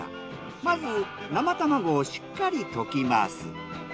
まず生卵をしっかり溶きます。